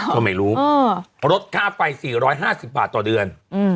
ก็ไม่รู้ลดค่าไฟ๔๕๐บาทต่อเดือน